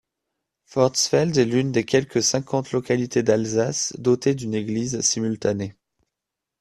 Forstfeld est l'une des quelque cinquante localités d'Alsace dotées d'une église simultanée.